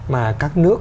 mà các nước